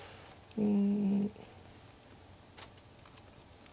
うん。